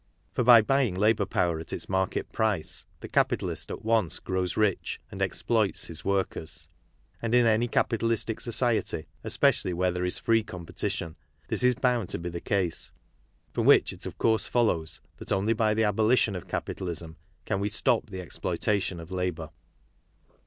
For by buying labour power at its market price, the capitalist at once grows rich and exploits his workers. And in any capitalistic society, especially where there is free competition, this is bound to be the case; from which it of course follows that only by the abolition of capitalism can we stop the exploitation of labour.